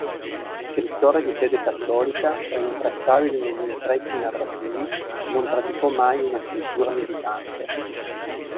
Scrittore di fede cattolica, rintracciabile negli intrecci narrativi, non praticò mai una scrittura militante.